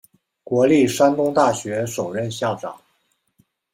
国立山东大学首任校长。